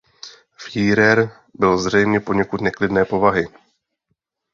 Führer byl zřejmě poněkud neklidné povahy.